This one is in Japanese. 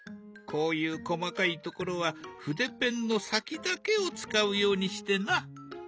こういう細かいところは筆ペンの先だけを使うようにしてな。